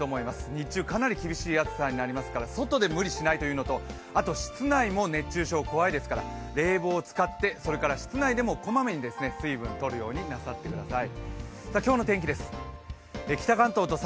日中、かなり厳しい暑さになりますから外で無理しないというのと、室内も熱中症怖いですから冷房を使ってそれから室内でも小まめに水分を取ってください。